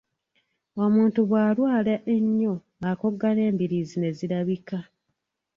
Omuntu bw'alwala ennyo akogga n'embiriizi ne zirabika.